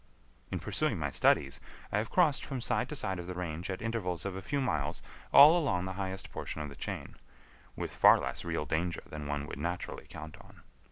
In pursuing my studies, I have crossed from side to side of the range at intervals of a few miles all along the highest portion of the chain, with far less real danger than one would naturally count on.